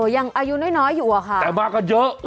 ยังอายุน้อยอยู่อะค่ะแต่มากันเยอะ